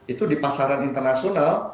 itu di pasaran internasional